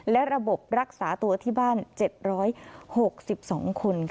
และระบบรักษาตัวที่บ้าน๗๖๒คน